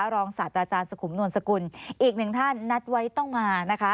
รองศาสตราจารย์สุขุมนวลสกุลอีกหนึ่งท่านนัดไว้ต้องมานะคะ